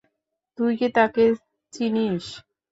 তুই কি তাকে চিনিস?